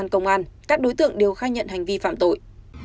công an các đối tượng đều khai nhận hành vi phạm tội